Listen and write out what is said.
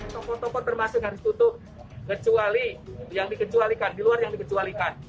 toko toko termasuk harus tutup kecuali yang dikecualikan di luar yang dikecualikan